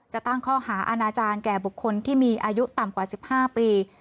จะตั้งข้อหาอาณาจารย์แก่บุคคลที่มีอายุต่ำกว่า๑๕ปี